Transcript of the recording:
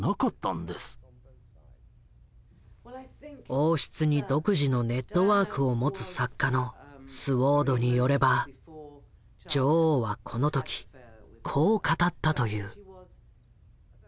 王室に独自のネットワークを持つ作家のスウォードによれば女王はこの時こう語ったという。